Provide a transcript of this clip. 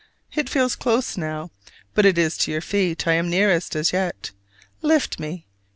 It feels close now: but it is to your feet I am nearest, as yet. Lift me!